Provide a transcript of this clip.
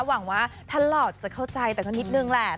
หวังว่าถ้าหลอดจะเข้าใจแต่ก็นิดนึงแหละ